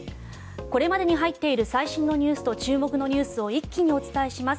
これまでに入っている最新ニュースと注目ニュースを一気にお伝えします。